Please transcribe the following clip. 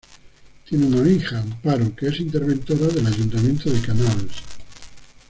Tiene una hija, Amparo, que es interventora del ayuntamiento de Canals.